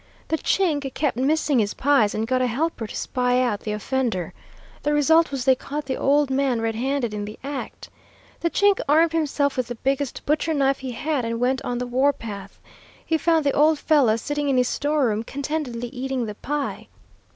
The Chink kept missing his pies, and got a helper to spy out the offender. The result was they caught the old man red handed in the act. The Chink armed himself with the biggest butcher knife he had and went on the warpath. He found the old fellow sitting in his storeroom contentedly eating the pie.